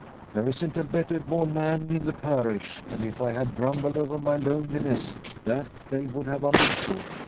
There isn't a better born man in the parish, and if I had grumbled over my loneliness, that they would have understood.